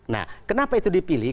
nah kenapa itu dipilih